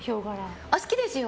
好きですか？